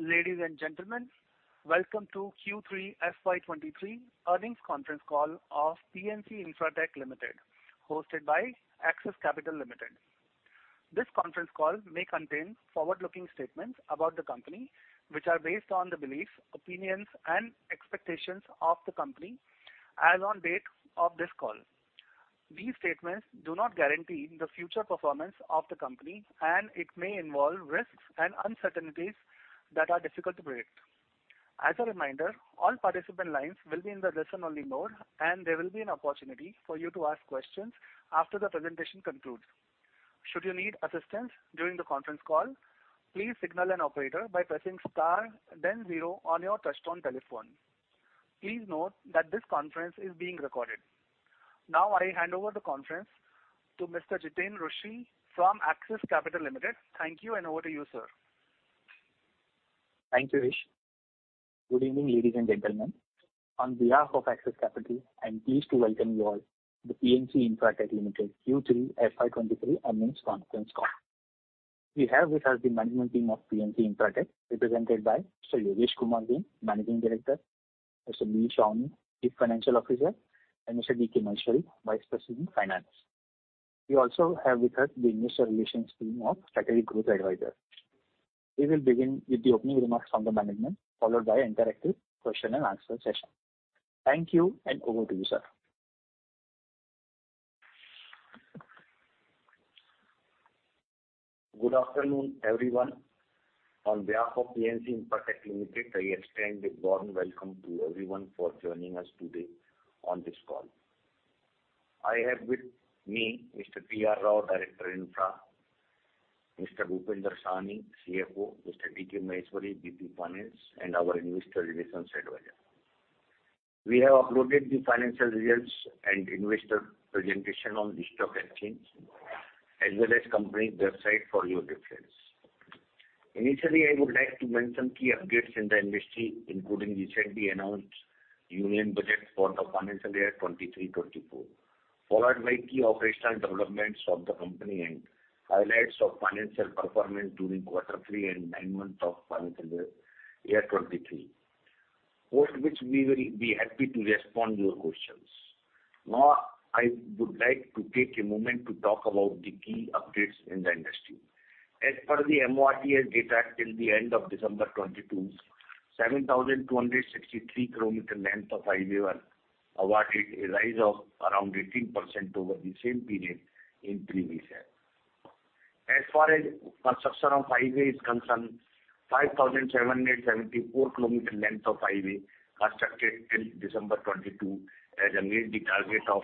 Ladies and gentlemen, welcome to Q3 FY 2023 Earnings Conference Call of PNC Infratech Limited, hosted by Axis Capital Limited. This conference call may contain forward-looking statements about the company, which are based on the beliefs, opinions and expectations of the company as on date of this call. These statements do not guarantee the future performance of the company, and it may involve risks and uncertainties that are difficult to predict. As a reminder, all participant lines will be in the listen-only mode, and there will be an opportunity for you to ask questions after the presentation concludes. Should you need assistance during the conference call, please signal an operator by pressing star then zero on your touchtone telephone. Please note that this conference is being recorded. I hand over the conference to Mr. Jiteen Rushe from Axis Capital Limited. Thank you. Over to you, sir. Thank you, Rishi. Good evening, ladies and gentlemen. On behalf of Axis Capital, I'm pleased to welcome you all to the PNC Infratech Limited Q3 FY 2023 earnings conference call. We have with us the management team of PNC Infratech, represented by Mr. Yogesh Kumar Jain, Managing Director, Mr. Bhupinder Sawhney, Chief Financial Officer, and Mr. D.K. Maheshwari, Vice President, Finance. We also have with us the investor relations team of Strategic Growth Advisors. We will begin with the opening remarks from the management, followed by interactive question and answer session. Thank you and over to you, sir. Good afternoon, everyone. On behalf of PNC Infratech Limited, I extend a warm welcome to everyone for joining us today on this call. I have with me Mr. T.R. Rao, Director, Infra, Mr. Bhupinder Sawhney, CFO, Mr. D.K. Maheshwari, VP, Finance, and our investor relations advisor. We have uploaded the financial results and investor presentation on list of exchange, as well as company website for your reference. Initially, I would like to mention key updates in the industry, including recently announced Union Budget for the financial year 2023, 2024, followed by key operational developments of the company and highlights of financial performance during quarter three and nine months of financial year 2023. Both which we will be happy to respond your questions. I would like to take a moment to talk about the key updates in the industry. As per the MoRTH data till the end of December 2022, 7,263 km length of highway were awarded, a rise of around 18% over the same period in previous year. As far as construction of highway is concerned, 5,774 km length of highway constructed till December 2022 has amazed the target of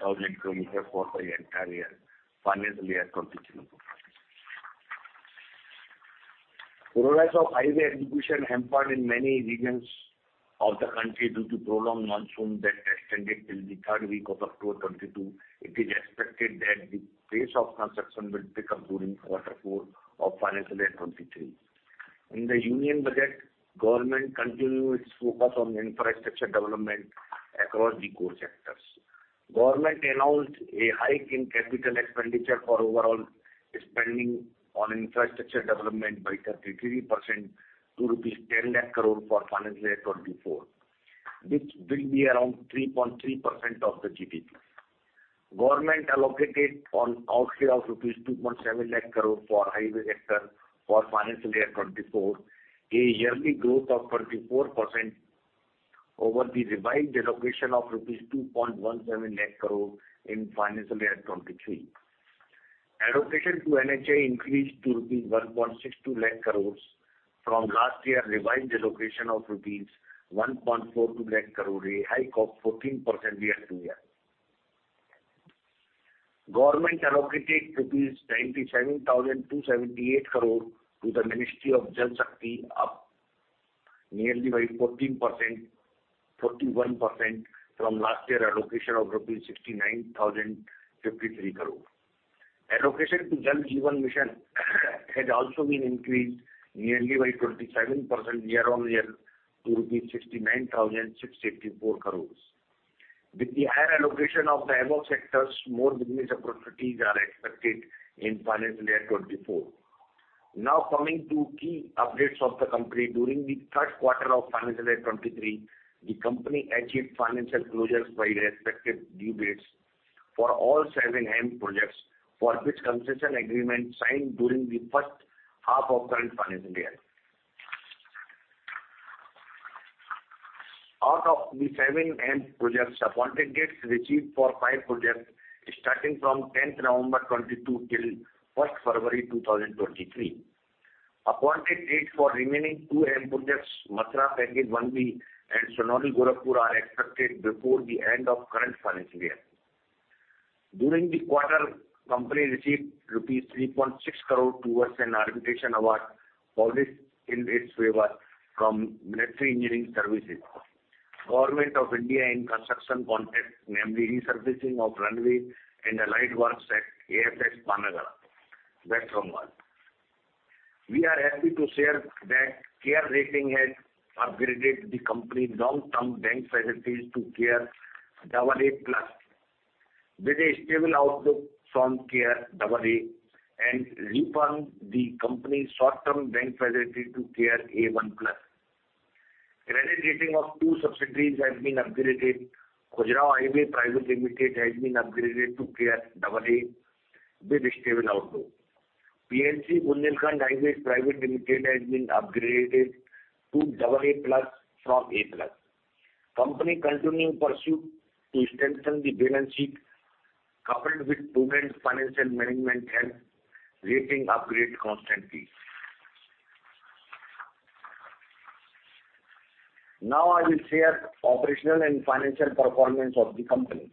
12,000 km for the entire year, financial year 2023. Progress of highway execution hampered in many regions of the country due to prolonged monsoon that extended till the third week of October 2022. It is expected that the pace of construction will pick up during quarter four of financial year 2023. In the Union Budget, government continued its focus on infrastructure development across the core sectors. Government announced a hike in capital expenditure for overall spending on infrastructure development by 33% to rupees 10 lakh crore for financial year 2024, which will be around 3.3% of the GDP. Government allocated on outset of rupees 2.7 lakh crore for highway sector for financial year 2024, a yearly growth of 34% over the revised allocation of rupees 2.17 lakh crore in financial year 2023. Allocation to NHA increased to rupees 1.62 lakh crores from last year revised allocation of rupees 1.42 lakh crore, a hike of 14% year-on-year. Government allocated INR 97,278 crore to the Ministry of Jal Shakti, up nearly by 14%, 41% from last year allocation of rupees 69,053 crore. Allocation to Jal Jeevan Mission has also been increased nearly by 27% year-on-year to 69,654 crore. With the higher allocation of the above sectors, more business opportunities are expected in financial year 2024. Coming to key updates of the company. During the third quarter of financial year 2023, the company achieved financial closures by respective due dates for all seven HAM projects for which concession agreement signed during the first half of current financial year. Out of the seven HAM projects, appointed dates received for five projects starting from 10th November 2022 till 1st February 2023. Appointed dates for remaining two HAM projects, Mathura Package 1B and Sonauli-Gorakhpur are expected before the end of current financial year. During the quarter, company received rupees 3.6 crore towards an arbitration award published in its favor from Military Engineer Services, Government of India, in construction context, namely Resurfacing of Runways and Allied Works at AFS Panagarh, West Bengal. We are happy to share that CARE Ratings has upgraded the company's long-term bank facilities to CARE AA+. With a stable outlook from CARE AA and reaffirmed the company's short-term bank facility to CARE A1+. Credit rating of two subsidiaries has been upgraded. Khajuraho Highway Private Limited has been upgraded to CARE AA with a stable outlook. PNC Bundelkhand Highways Private Limited has been upgraded to AA+ from A+. Company continuing pursuit to extension the balance sheet coupled with prudent financial management helps rating upgrade constantly. I will share operational and financial performance of the company.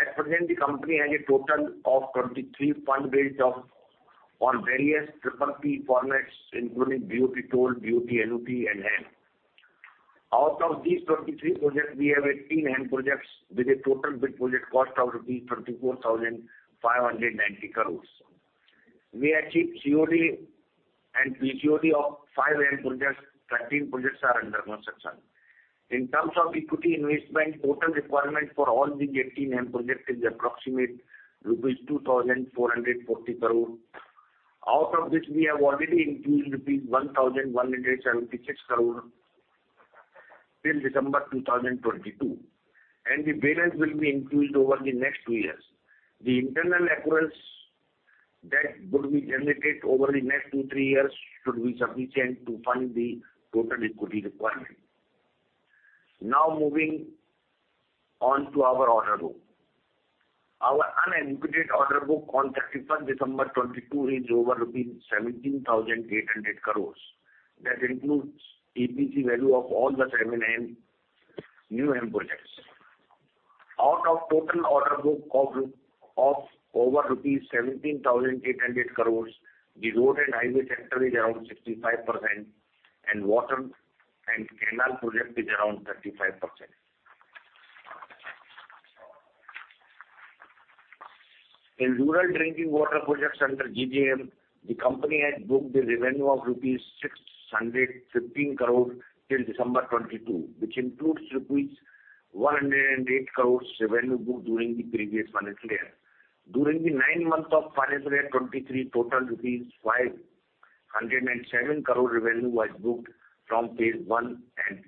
At present, the company has a total of 23 fund based off on various PPP formats, including BOT-Toll, BOT Annuity and HAM. Out of these 23 projects, we have 18 HAM projects with a total bid project cost of 34,590 crore. We achieved COD and pre-COD of five HAM projects. 13 projects are under construction. In terms of equity investment, total requirement for all these 18 HAM projects is approximate rupees 2,440 crore. Out of this, we have already infused rupees 1,176 crore till December 2022, and the balance will be infused over the next two years. The internal accruals that would be generated over the next two, three years should be sufficient to fund the total equity requirement. Moving on to our order book. Our unexecuted order book on 31st December 2022 is over rupees 17,800 crores. That includes EPC value of all the seven HAM, new HAM projects. Out of total order book of over rupees 17,800 crores, the road and highway sector is around 65%, and water and canal project is around 35%. In rural drinking water projects under JJM, the company has booked the revenue of rupees 615 crore till December 2022, which includes rupees 108 crores revenue booked during the previous financial year. During the nine months of financial year 2023, total rupees 507 crore revenue was booked from phase I and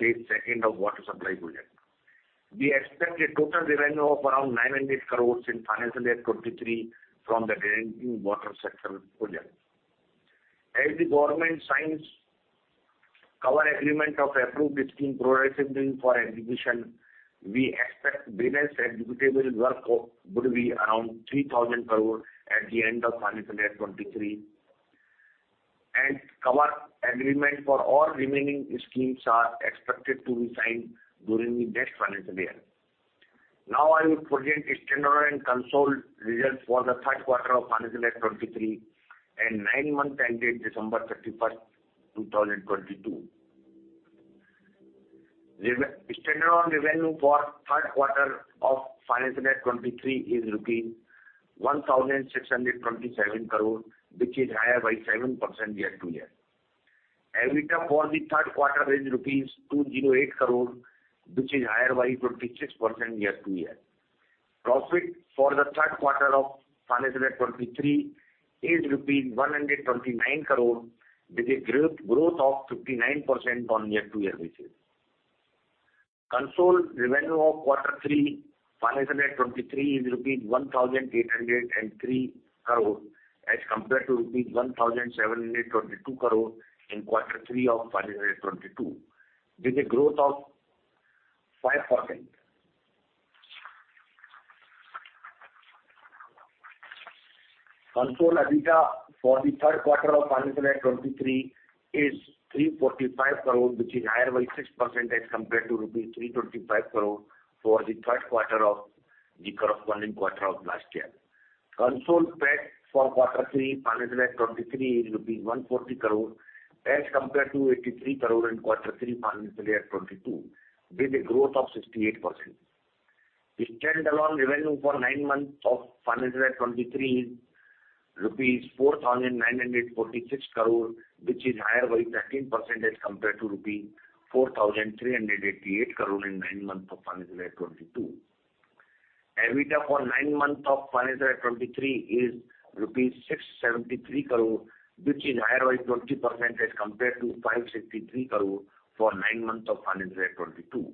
phase II of water supply project. We expect a total revenue of around 900 crores in financial year 2023 from the drinking water sector project. As the government signs cover agreement of approved scheme progress billing for execution, we expect balance executable work would be around 3,000 crore at the end of financial year 2023. Cover agreement for all remaining schemes are expected to be signed during the next financial year. I will present a standalone and consolidated results for the third quarter of financial year 2023 and nine month ended December 31st, 2022. standalone revenue for third quarter of financial year 2023 is rupees 1,627 crore, which is higher by 7% year-over-year. EBITDA for the third quarter is rupees 208 crore, which is higher by 26% year-over-year. Profit for the third quarter of financial year 2023 is 129 crore with a growth of 59% on year-over-year basis. Consolid revenue of quarter three financial year 2023 is rupees 1,803 crore as compared to rupees 1,722 crore in quarter three of financial year 2022, with a growth of 5%. Consolid EBITDA for the third quarter of financial year 2023 is 345 crore, which is higher by 6% as compared to rupees 325 crore for the third quarter of the corresponding quarter of last year. Consolid PAT for quarter three financial year 2023 is 140 crore as compared to 83 crore in quarter three financial year 2022, with a growth of 68%. The standalone revenue for nine months of financial year 2023 is rupees 4,946 crore, which is higher by 13% as compared to rupee 4,388 crore in nine months of financial year 2022. EBITDA for nine months of financial year 2023 is rupees 673 crore, which is higher by 20% as compared to 563 crore for nine months of financial year 2022.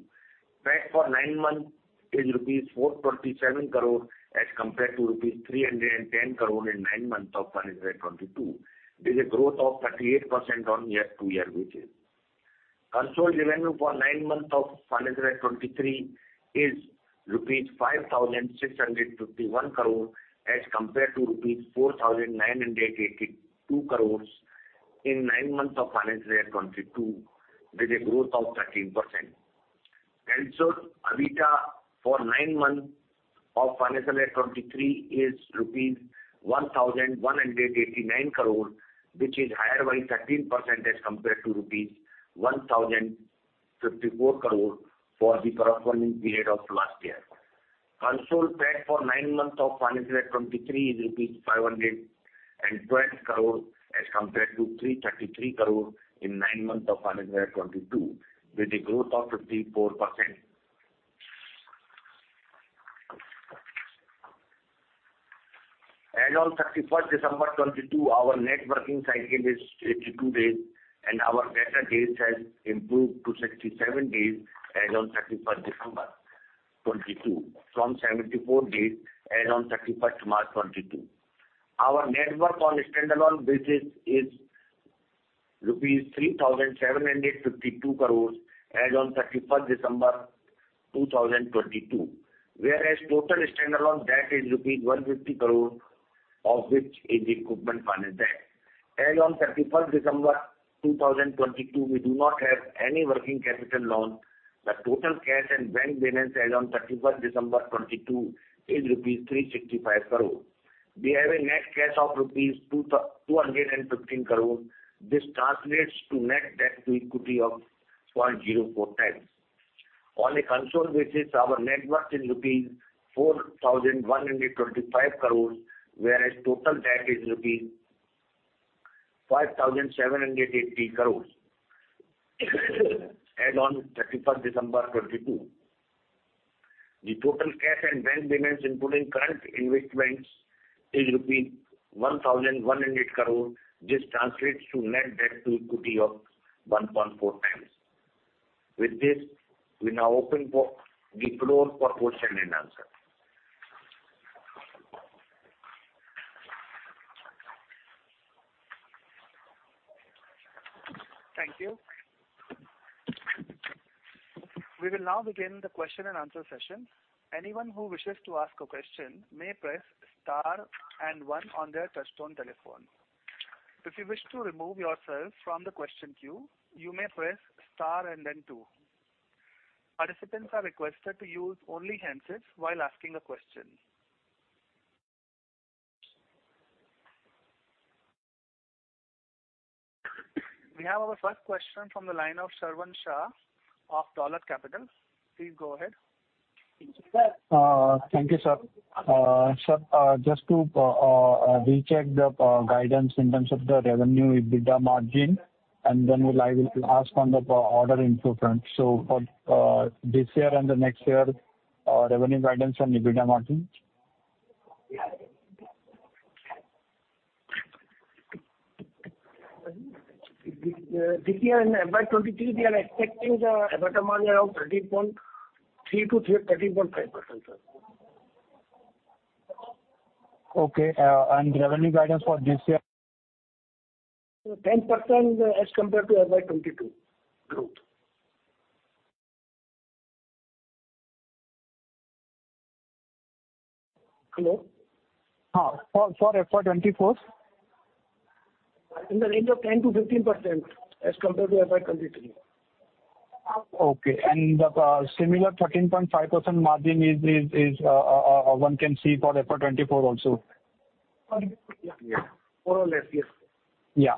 PAT for nine months is rupees 427 crore as compared to rupees 310 crore in nine months of financial year 2022, with a growth of 38% on year-to-year basis. Consolid revenue for nine months of financial year 2023 is rupees 5,651 crore as compared to rupees 4,982 crore in nine months of financial year 2022, with a growth of 13%. Consolid EBITDA for nine months of financial year 2023 is rupees 1,189 crore, which is higher by 13% as compared to rupees 1,054 crore for the corresponding period of last year. Consolidated PAT for nine months of financial year 2023 is rupees 512 crore as compared to 333 crore in nine months of financial 2022, with a growth of 54%. As on 31st December 2022, our net working cycle is 82 days, and our debtor days has improved to 67 days as on 31st December 2022, from 74 days as on 31st March 2022. Our net worth on a standalone basis is rupees 3,752 crores as on 31st December 2022. Whereas total standalone debt is rupees 150 crore, of which is equipment financed debt. As on 31st December 2022, we do not have any working capital loan. The total cash and bank balance as on 31st December 2022 is rupees 365 crore. We have a net cash of rupees 215 crore. This translates to net debt to equity of 0.04 times. On a consolidated basis, our net worth is rupees 4,125 crores, whereas total debt is rupees 5,780 crores as on 31st December 2022. The total cash and bank balance, including current investments, is rupees 1,100 crore. This translates to net debt to equity of 1.4 times. With this, we now open the floor for question and answer. Thank you. We will now begin the question and answer session. Anyone who wishes to ask a question may press star and one on their touchtone telephone. If you wish to remove yourself from the question queue, you may press star and then two. Participants are requested to use only handsets while asking a question. We have our first question from the line of Shravan Shah of Dolat Capital. Please go ahead. Thank you, sir. sir, just to recheck the guidance in terms of the revenue EBITDA margin, and then I will ask on the order input front. For this year and the next year, revenue guidance and EBITDA margin. This year in FY 2023, we are expecting the EBITDA margin around 13.3% to 13.5%. Okay. Revenue guidance for this year? 10% as compared to FY 2022 growth. Hello? For FY 2024? In the range of 10%-15% as compared to FY 2023. The similar 13.5% margin is one can see for FY 2024 also? Yes. More or less, yes. Yeah.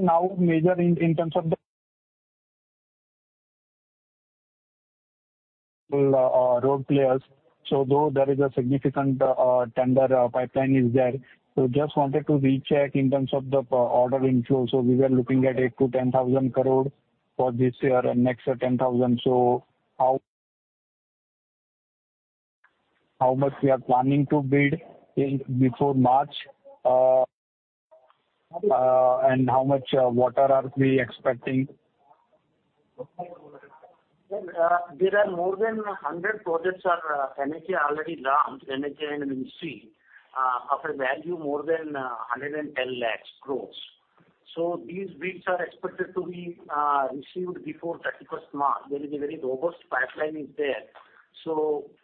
Now major in terms of the road players. Though there is a significant tender pipeline is there. Just wanted to recheck in terms of the order inflow. We were looking at 8,000 crore-10,000 crore for this year and next year 10,000 crore. How much we are planning to bid in before March? And how much water are we expecting? Sir, there are more than 100 projects are NHAI already, NHAI and Ministry of a value more than, 110 lakhs gross. These bids are expected to be received before 31st March. There is a very robust pipeline is there.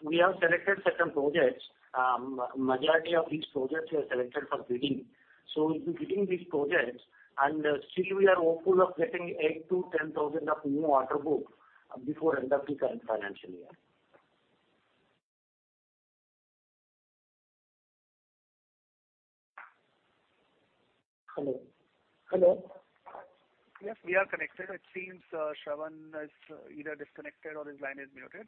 We have selected certain projects. Majority of these projects we have selected for bidding. We'll be bidding these projects and still we are hopeful of getting 8,000-10,000 of new order book before end of the current financial year. Hello? Hello? Yes, we are connected. It seems, Shravan is either disconnected or his line is muted.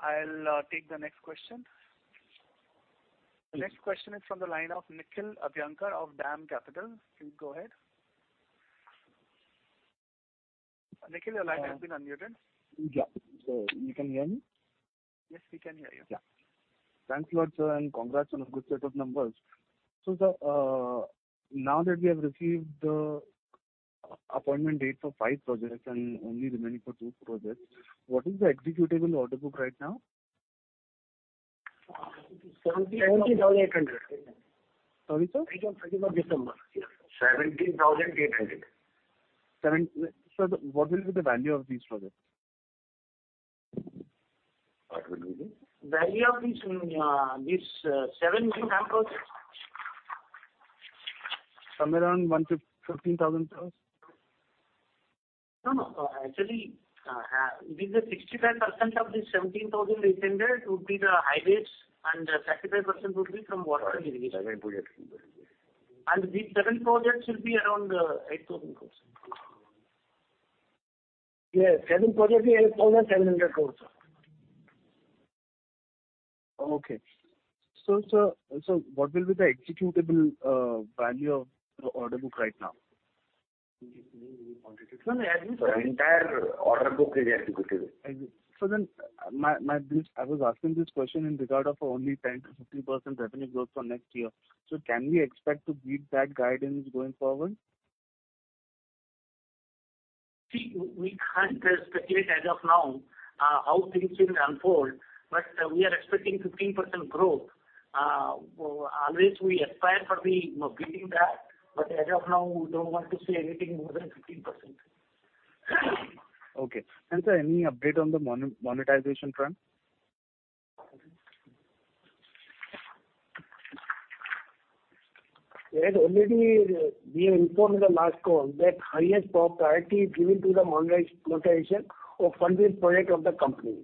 I'll take the next question. The next question is from the line of Nikhil Abhyankar of DAM Capital. Please go ahead. Nikhil, your line has been unmuted. Yeah. You can hear me? Yes, we can hear you. Yeah. Thanks a lot, sir, and congrats on a good set of numbers. Now that we have received the appointment dates for five projects and only remaining for two projects, what is the executable order book right now? INR 17,800. Sorry, sir. As on 31st December. 17,800. Sir, what will be the value of these projects? What will be the value of these seven main projects? Somewhere around 1 crore-15,000 crores? No, no. Actually, these are 65% of this 17,800 would be the highways and 35% would be from water irrigation. Seven projects. These seven projects will be around 8,000 crore. Yes. Seven projects is 8,700 crore. Okay. what will be the executable, value of the order book right now? The entire order book is executable. I was asking this question in regard of only 10%-15% revenue growth for next year. Can we expect to beat that guidance going forward? See, we can't speculate as of now, how things will unfold, but we are expecting 15% growth. Always we aspire for the beating that, but as of now, we don't want to say anything more than 15%. Okay. Sir, any update on the monetization front? Already we informed in the last call that highest priority is given to the monetization of funding project of the company.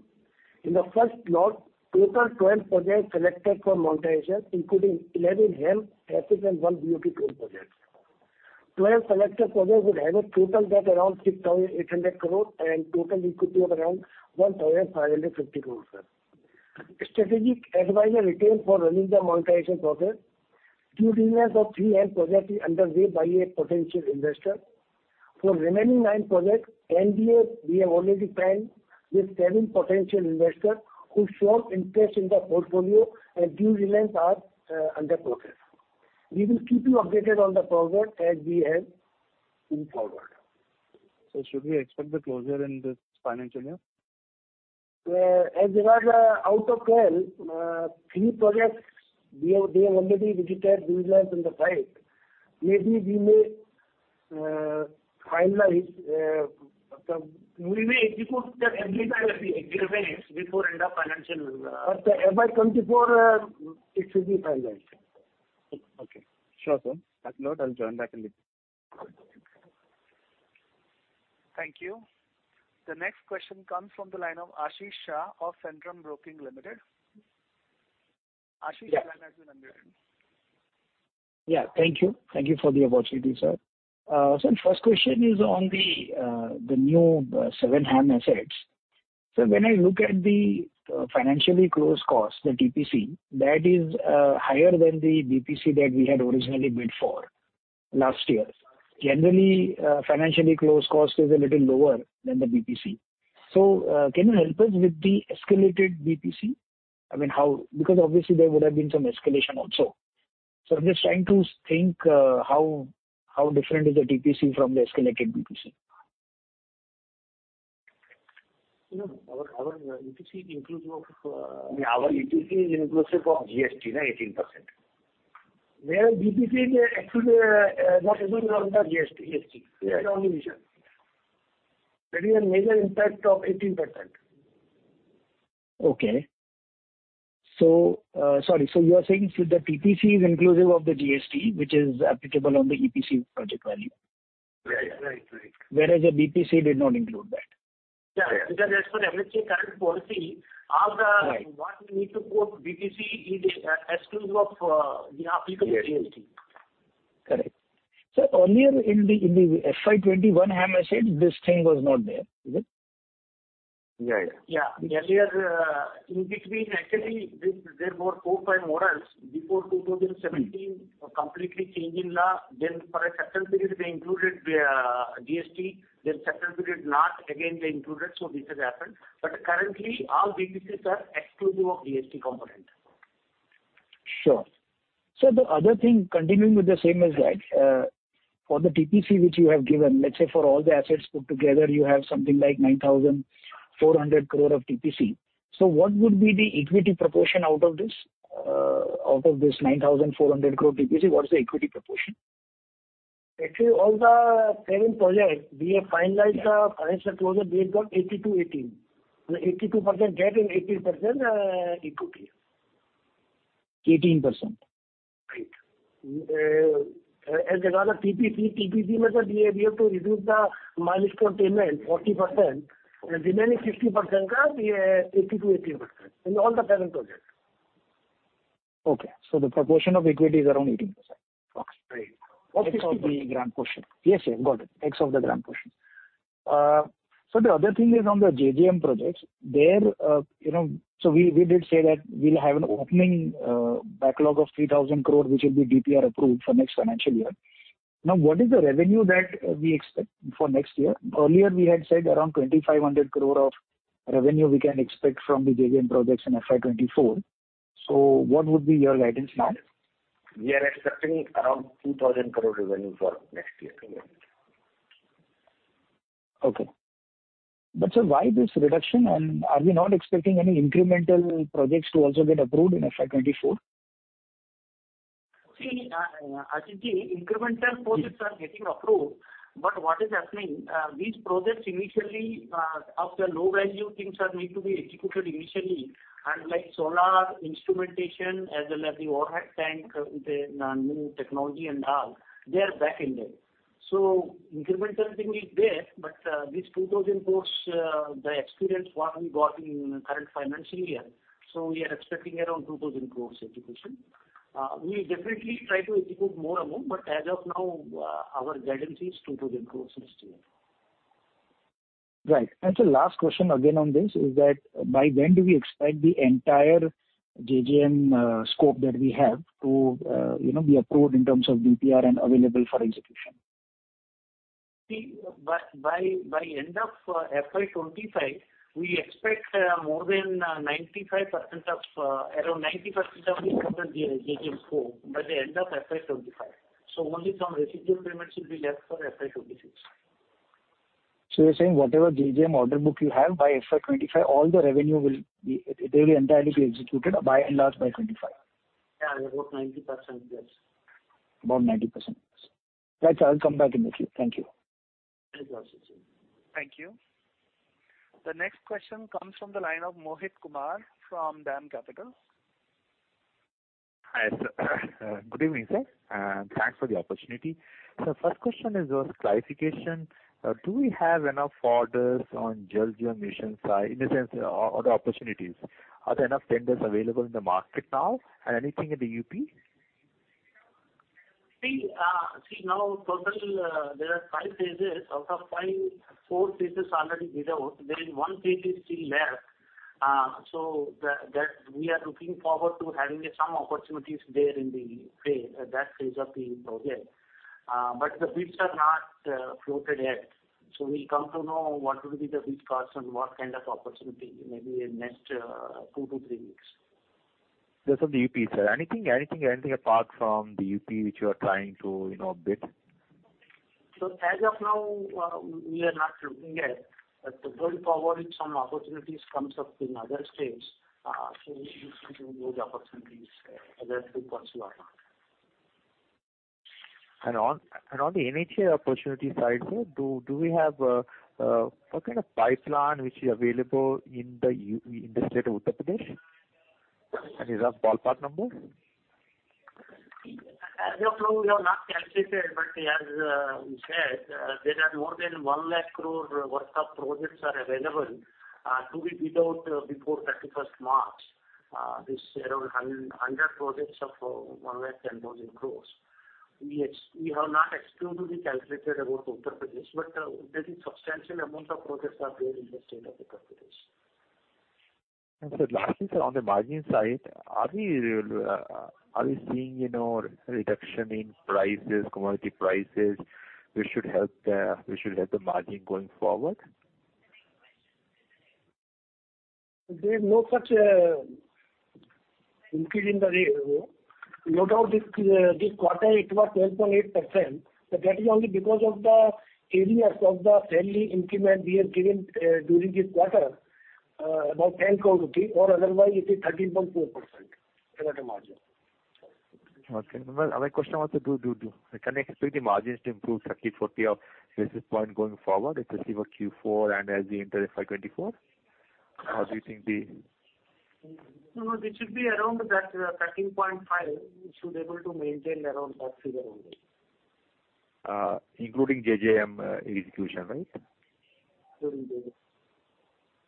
In the first lot, total 12 projects selected for monetization, including 11 HAM assets and one BOT toll project. 12 selected projects would have a total debt around 6,800 crore and total equity of around 1,550 crores, Sir. Strategic advisor retained for running the monetization process. Due diligence of three HAM projects is underway by a potential investor. For remaining nine projects, NDA we have already signed with seven potential investors who showed interest in the portfolio and due diligence are under process. We will keep you updated on the progress as we have in forward. Should we expect the closure in this financial year? As regard out of HAM, three projects they have already visited due diligence on the site. We may execute the agreements before end of financial. By 2024, it should be finalized. Okay. Sure, sir. On that note, I'll join back in a bit. Thank you. The next question comes from the line of Ashish Shah of Centrum Broking Limited. Ashish, your line has been unmuted. Yeah, thank you. Thank you for the opportunity, Sir. First question is on the new seven HAM assets. When I look at the financially closed cost, the BPC, that is higher than the BPC that we had originally bid for last year. Generally, financially closed cost is a little lower than the BPC. Can you help us with the escalated BPC? I mean, because obviously there would have been some escalation also. I'm just trying to think, how different is the EPC from the escalated BPC. You know, our EPC inclusive of. Our EPC is inclusive of GST, right, 18%. Where BPC is actually not inclusive of the GST. They are only sure. That is a major impact of 18%. Sorry. You are saying the BPC is inclusive of the GST which is applicable on the EPC project value. Right. Right. Right. The BPC did not include that. Yeah. Because as per MCA current policy, all the- Right. What we need to quote BPC is exclusive of the applicable GST. Correct. Earlier in the FY 2021 HAM assets this thing was not there. Is it? Yeah, yeah. Yeah. Earlier, in between actually there were four, five morals before 2017 completely change in law. Then for a certain period they included the, GST, then certain period not, again they included. This has happened. But currently all BPCs are exclusive of GST component. Sure. The other thing, continuing with the same as that, for the TPC which you have given, let's say for all the assets put together, you have something like 9,400 crore of TPC. What would be the equity proportion out of this, out of this 9,400 crore TPC, what is the equity proportion? Actually all the seven projects we have finalized the financial closure based on 82/18. 82% debt and 18% equity. 18%. Right. as regard TPC method, we have to reduce the milestone payment 40% and remaining 60%, we have 82%, 18% in all the seven projects. Okay. The proportion of equity is around 18%. Right. Of the grant portion. Yes, yes. Got it. X of the grant portion. The other thing is on the JJM projects, there, you know... We did say that we'll have an opening backlog of 3,000 crore, which will be DPR approved for next financial year. Now, what is the revenue that we expect for next year? Earlier, we had said around 2,500 crore of revenue we can expect from the JJM projects in FY 2024. What would be your guidance now? We are expecting around 2,000 crore revenue for next year. Okay. sir why this reduction and are we not expecting any incremental projects to also get approved in FY 2024? I think the incremental projects are getting approved. What is happening, these projects initially of the low value things are need to be executed initially and like solar instrumentation as well as the overhead tank with a new technology and all, they are back ended. Incremental thing is there, but these 2,000 crore, the experience what we got in current financial year, we are expecting around 2,000 crore execution. We definitely try to execute more amount, but as of now, our guidance is 2,000 crore next year. Right. Last question again on this is that by when do we expect the entire JJM scope that we have to, you know, be approved in terms of DPR and available for execution? See, by end of FY 2025, we expect more than 95% of around 90% of the total JJM scope by the end of FY 2025. Only some residual payments will be left for FY 202026. You're saying whatever JJM order book you have, by FY 25, all the revenue will be they will entirely be executed by and large by 2025? Yeah, about 90%, yes. About 90%. Right. I'll come back in the queue. Thank you. Thank you, Ashish. Thank you. The next question comes from the line of Mohit Kumar from DAM Capital. Hi, sir. Good evening, sir. Thanks for the opportunity. First question is just clarification. Do we have enough orders on Jal Jeevan Mission side, in the sense other opportunities? Are there enough tenders available in the market now? Anything in the UP? Now total, there are five phases. Out of five, four phases already bid out. There is one phase is still left. That we are looking forward to having some opportunities there in the phase, at that phase of the project. The bids are not floated yet. We'll come to know what will be the bid cost and what kind of opportunity maybe in next two to three weeks. Just on the UP, sir. Anything apart from the UP which you are trying to, you know, bid? As of now, we are not looking at. Going forward, if some opportunities comes up in other states, so we'll look into those opportunities whether to pursue or not. On the NHAI opportunity side, sir, do we have, what kind of pipeline which is available in the state of Uttar Pradesh? Any rough ballpark numbers? As of now, we have not calculated. As we said, there are more than 1 lakh crore worth of projects are available, to be bid out, before 31st March. This around 100 projects of 110,000 crore. We have not exclusively calculated about Uttar Pradesh. There is substantial amount of projects are there in the state of Uttar Pradesh. Sir, lastly, sir, on the margin side, are we seeing, you know, reduction in prices, commodity prices, which should help the margin going forward? There is no such increase in the raw. No doubt this this quarter it was 12.8%, but that is only because of the areas of the friendly increment we have given during this quarter about 10 crore rupees, or otherwise it is 13.4% EBITDA margin. Okay. Can I expect the margins to improve 30, 40 odd basis points going forward, especially for Q4 and as we enter FY 2024? No, it should be around that 13.5. We should able to maintain around that figure only. Including JJM execution, right? Including JJM.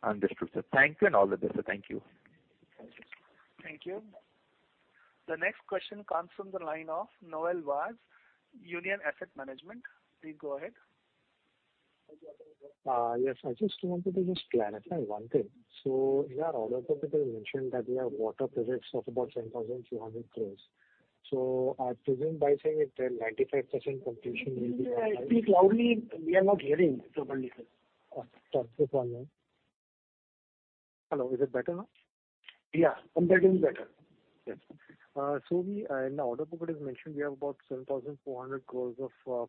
Understood, sir. Thank you and all the best, sir. Thank you. Thank you. Thank you. The next question comes from the line of Noel Vaz, Union Asset Management. Please go ahead. Yes. I just wanted to just clarify one thing. In our order book it is mentioned that we have water projects of about 10,200 crores. I presume by saying it 95% completion will be. Speak loudly. We are not hearing properly, sir. Sorry for that. Hello. Is it better now? Yeah. Compared to him better. Yes. We, in the order book it is mentioned we have about 7,400 crores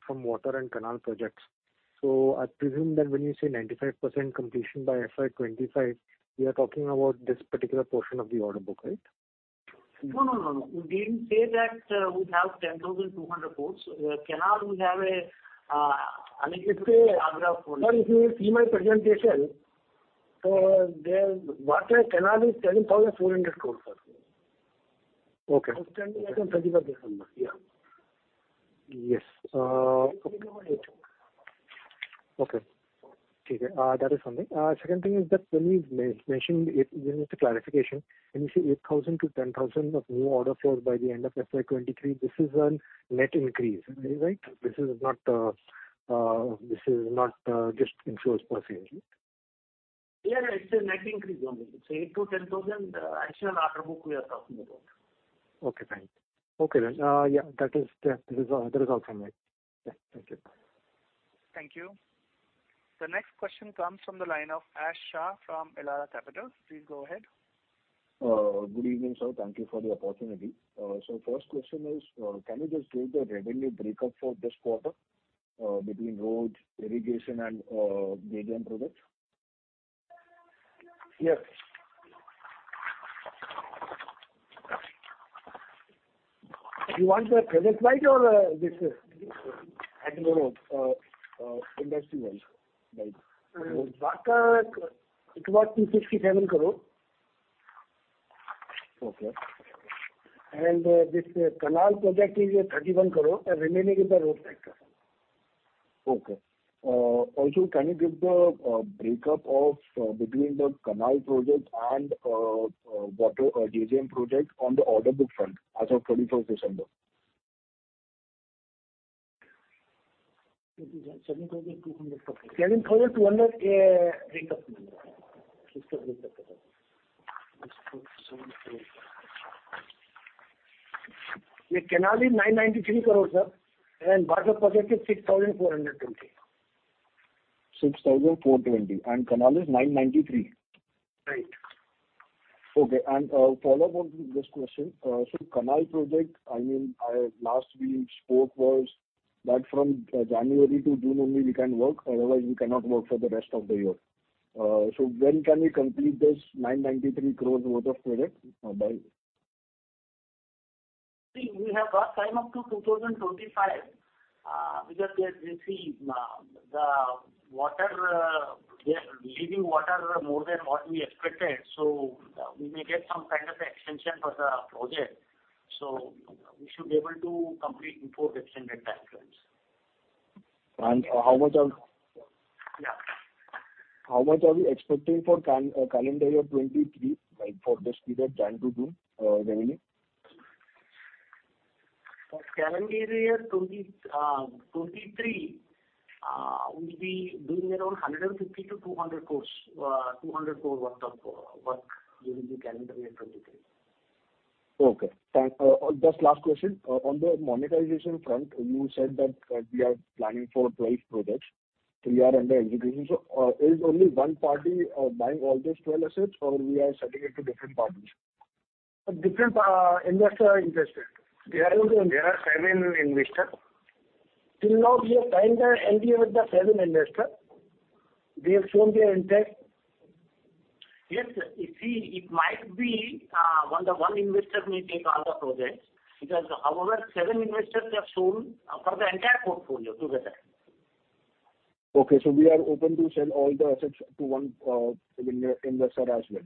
from water and canal projects. I presume that when you say 95% completion by FY 2025, we are talking about this particular portion of the order book, right? No, no, no. We didn't say that, we have 10,200 crores. canal we have a, allocated to Agra only. Sir, if you see my presentation, there water canal is 10,400 crores, sir. Okay. That's the number. Yeah. Yes. Okay. That is something. Second thing is that when we mentioned it, this is a clarification. When you say 8,000-10,000 of new order flows by the end of FY 2023, this is a net increase. Am I right? This is not just inflows per se. Yeah, it's a net increase only. It's 8,000-10,000 actual order book we are talking about. Okay, thank you. Okay. That is, this is, that is all from me. Thank you. Thank you. The next question comes from the line of Ash Shah from Elara Capital. Please go ahead. Good evening, sir. Thank you for the opportunity. First question is, can you just give the revenue breakup for this quarter, between road, irrigation, and JJM projects? Yes. You want the project-wise or this? Industry-wise. Road, it was INR 367 crore. Okay. This canal project is 31 crore, and remaining is the road sector. Okay. Also, can you give the breakup of between the canal project and water JJM project on the order book front as of 24th December? INR 7,200 INR 7,200, breakup. The canal is INR 993 crore, sir, and water project is 6,420. 6,420, and canal is 993. Right. Okay. Follow-up on this question. Canal project, I mean, last we spoke was that from January to June only we can work, otherwise we cannot work for the rest of the year. When can we complete this INR 993 crores worth of project by? See, we have got time up to 2025, because as you see, the water, they are releasing water more than what we expected. We may get some kind of extension for the project. We should be able to complete before the extended time frames. How much? Yeah. How much are we expecting for calendar year 2023, like for this period January to June, revenue? For calendar year 2023, we'll be doing around 150 crore-200 crore, 200 crore worth of work during the calendar year 2023. Just last question. On the monetization front, you said that we are planning for 12 projects. Three are under execution. Is only one party buying all those 12 assets or we are selling it to different parties? Different investor interested. There are seven investors? Till now we have signed the NDA with the seven investors. They have shown their intent. Yes. See, it might be, one investor may take all the projects because however seven investors have shown for the entire portfolio together. Okay. We are open to sell all the assets to one investor as well.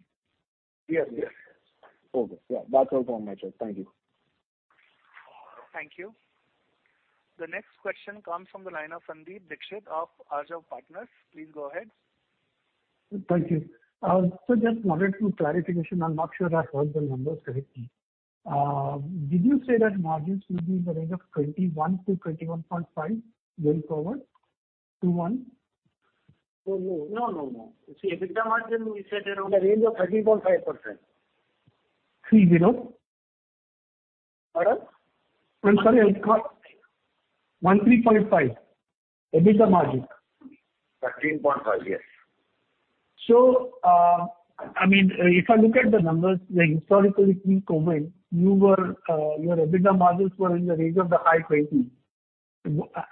Yes. Yes. Okay. Yeah. That's all from my side. Thank you. Thank you. The next question comes from the line of Sandeep Dixit of Ārjav Partners. Please go ahead. Thank you. Just wanted to clarification. I'm not sure I heard the numbers correctly. Did you say that margins will be in the range of 21%-21.5% going forward? 21. No, no, no. See, EBITDA margin we said around a range of 13.5%. 30. Pardon? I'm sorry. I forgot. 13.5% EBITDA margin. 13.5. Yes. I mean, if I look at the numbers, like historically pre-COVID, you were, your EBITDA margins were in the range of the high twenties.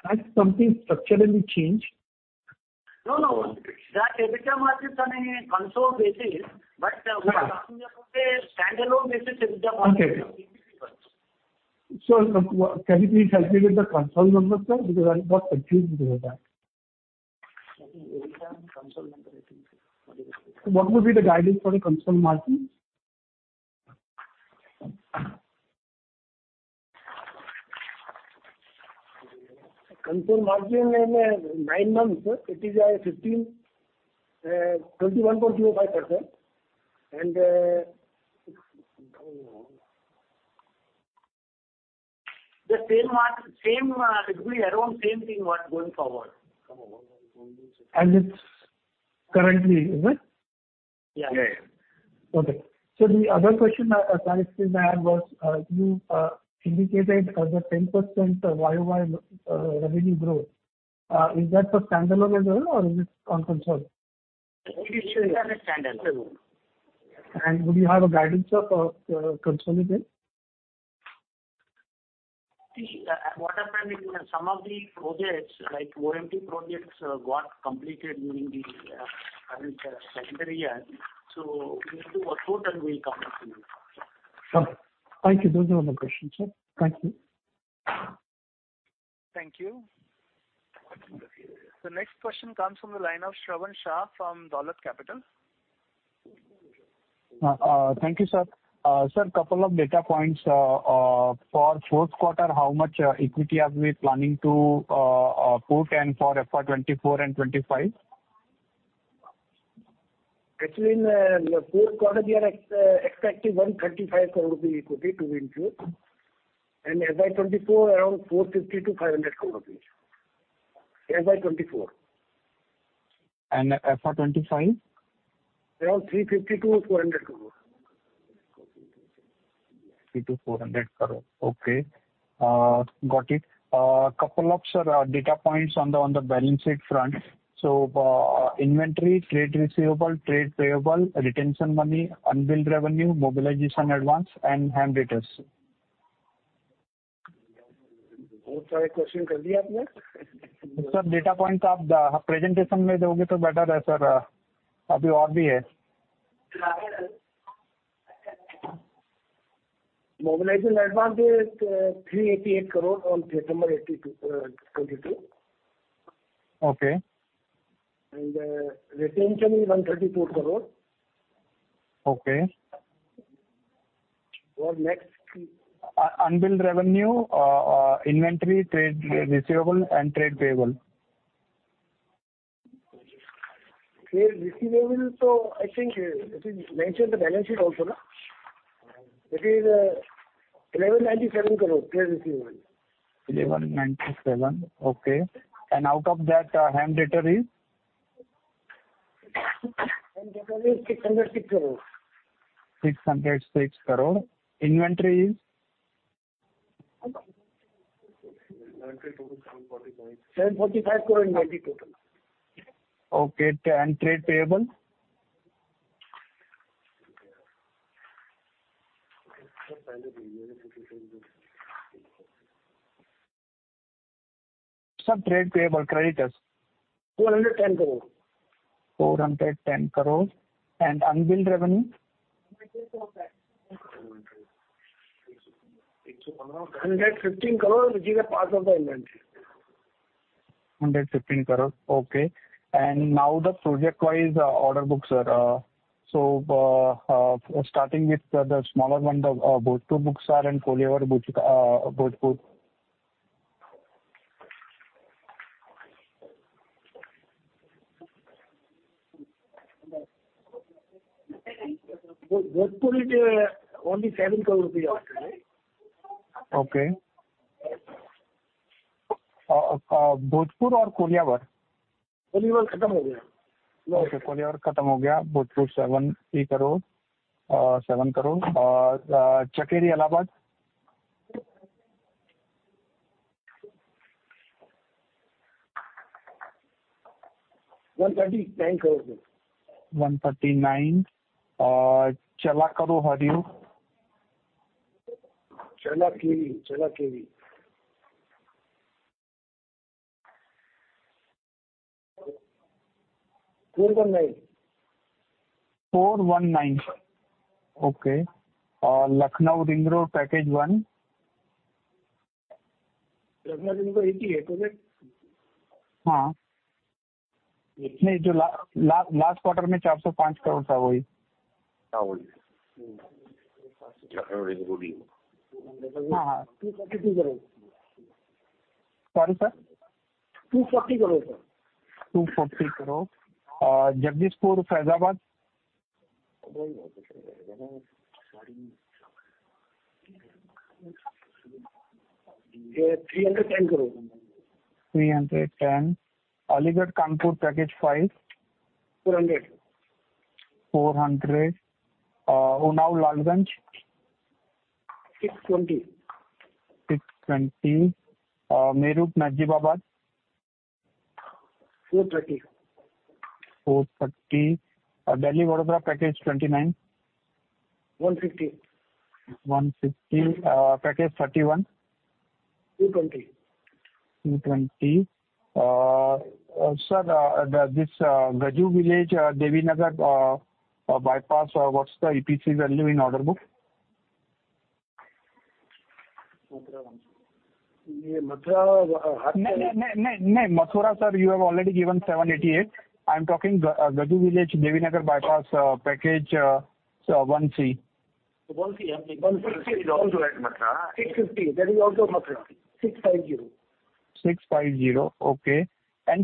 Has something structurally changed? No, no. The EBITDA margins are on a consolidated basis. What I'm talking about a standalone basis EBITDA margin. Okay. Can you please help me with the consolidated numbers, sir? I'm a bit confused with that. Consolidated numbers What will be the guidance for the consolidated margins? Consolidated margin in the nine months, it is 21.05%. The same it will be around same thing what going forward. As it's currently, is it? Yeah. Yeah, yeah. The other question I still have was, you indicated the 10% YoY revenue growth. Is that for standalone as well or is it on consolidated? It is for the standalone. Would you have a guidance of consolidated? What happened is some of the projects like OMP projects got completed during the current secondary year. We need to work out and we'll come up to you. Sure. Thank you. Those are all my questions, sir. Thank you. Thank you. The next question comes from the line of Shravan Shah from Dolat Capital. Thank you, sir. Sir, couple of data points. For fourth quarter, how much equity are we planning to put and for FY 2024 and 2025? Actually in fourth quarter, we are expecting 135 crore equity to be infused. FY 2024 around INR 450 crore-INR 500 crore. FY 2024. FY 2025? Around 350-400 crore. 300 crore-400 crore. Okay. Got it. Couple of, sir, data points on the balance sheet front. Inventory, trade receivable, trade payable, retention money, unbilled revenue, mobilization advance and hand debtors. Sir, data points Presentation sir. Mobilization advance is INR 388 crore on September 22, 2022. Okay. Retention is INR 134 crore. Okay. What next? Unbilled revenue, inventory, trade receivable and trade payable. Trade receivables, I think, it is mentioned in the balance sheet also, no? It is 1,197 crore, trade receivables. 1,197. Okay. Out of that, HAM debtor is? HAM debtor is INR 606 crore. INR 606 crore. Inventory is? Inventory total INR 745. INR 745 crore inventory total. Okay. Trade payable? Sir, trade payable, creditors. 410 crore. 410 crore. Unbilled revenue? 115 crore, which is a part of the inventory. INR 115 crore. Okay. Now the project-wise order books, sir. Starting with the smaller one, the Bhojpur books, sir, and Koilwar Bhojpur. Bhojpur it, only INR 7 crore outstanding. Okay. Bhojpur or Koilwar? Koilwar khatam ho gaya. Okay, Koilwar khatam ho gaya. Bhojpur INR 7 crore. Chakeri Allahabad? INR 139 crore. 139. Challakere-Hariyur? Challakere. 419. 419. Okay. Lucknow Ring Road Package 1? Lucknow Ring Road INR 88 crore. Nahi jo last quarter mein INR 405 crore tha wahi. Ha wahi. Ha, ha. INR 240 crore. Sorry, sir? INR 240 crore, sir. INR 240 crore. Jagdishpur-Faizabad? INR 310 crore. 310. Aligarh-Kanpur Package 5? INR 400. 400. Unnao-Lalganj? 620. 620. Meerut-Nazibabad? 430. 430. Delhi-Vadodara Package 29? 150. 150. Package 31? 220. 220. Sir, this Gaju Village-Devinagar Bypass, what's the EPC value in order book? Mathura. Nai, Mathura, sir, you have already given 788. I'm talking Gaju Village, Devinagar Bypass Package-1C. 1C, 60. 650. That is also Mathura. 650. 650 crore. Okay.